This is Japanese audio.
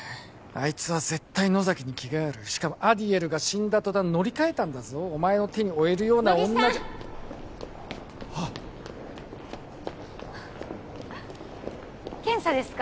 あいつは絶対野崎に気があるしかもアディエルが死んだ途端乗り換えたんだぞお前の手に負えるような女乃木さん！は検査ですか？